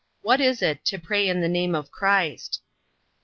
What is it to pray in the name of Christ?